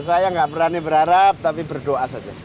saya nggak berani berharap tapi berdoa saja